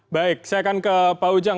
baik saya akan ke pak ujang